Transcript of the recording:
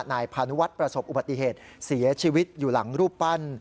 นายพานุวัฒน์ประสบอุบัติเหตุเสียชีวิตอยู่หลังรูปปั้น